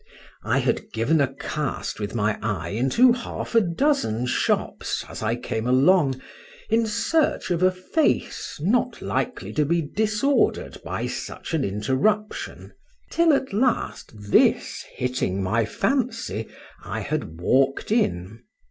— I had given a cast with my eye into half a dozen shops, as I came along, in search of a face not likely to be disordered by such an interruption: till at last, this, hitting my fancy, I had walked in.